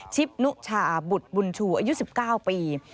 ชิปนุชาบุตรบุญชูอายุ๑๙ปี